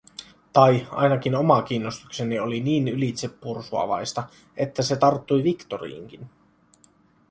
Tai, ainakin oma kiinnostukseni oli niin ylitsepursuavaista, että se tarttui Victoriinkin.